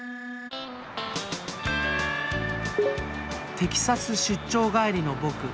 テキサス出張帰りの僕。